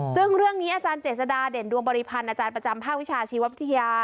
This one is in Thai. ซึ่งเรื่องนี้อาจารย์เจษฎาเด่นดวงบริพันธ์อาจารย์ประจำภาควิชาชีววิทยา